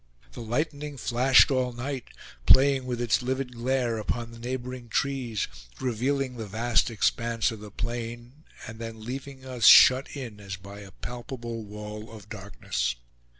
The lightning flashed all night, playing with its livid glare upon the neighboring trees, revealing the vast expanse of the plain, and then leaving us shut in as by a palpable wall of darkness.